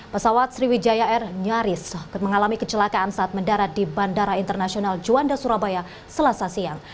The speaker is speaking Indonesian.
pesawat sriwijaya air nyaris mengalami kecelakaan saat mendarat di bandara internasional juanda surabaya selasa siang